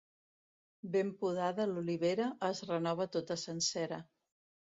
Ben podada l'olivera, es renova tota sencera.